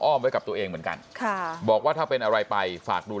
ไว้กับตัวเองเหมือนกันค่ะบอกว่าถ้าเป็นอะไรไปฝากดู